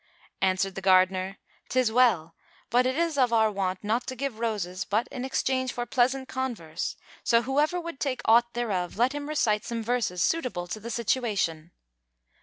Answered the gardener, "'Tis well, but it is of our wont not to give roses but in exchange for pleasant converse; so whoever would take aught thereof, let him recite some verses suitable to the situation."